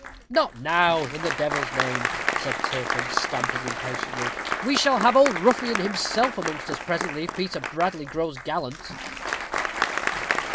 "Not now, in the devil's name!" said Turpin, stamping impatiently. "We shall have Old Ruffin himself amongst us presently, if Peter Bradley grows gallant."